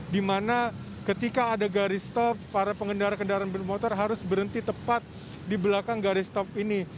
dimana ketika ada garis top para pengendara kendaraan bermotor harus berhenti tepat di belakang garis top ini